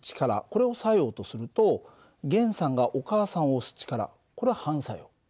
これを作用とすると源さんがお母さんを押す力これは反作用。